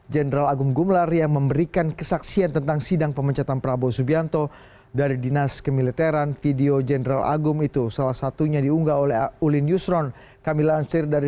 general agung gemelar yang menulis cuitan bersambung menanggap video general agung gemelar yang beredar